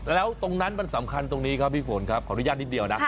แล้วตรงนั้นมันสำคัญตรงนี้ครับพี่ฝนครับขออนุญาตนิดเดียวนะ